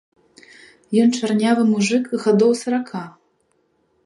Ён чарнявы мужык гадоў сарака.